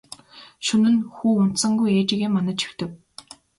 Шөнө нь хүү унтсангүй ээжийгээ манаж хэвтэв.